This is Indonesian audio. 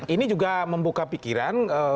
ini juga membuka pikiran